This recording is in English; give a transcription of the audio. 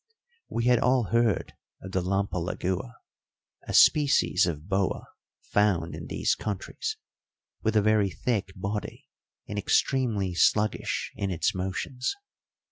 We had all heard of the lampalagua, a species of boa found in these countries, with a very thick body and extremely sluggish in its motions.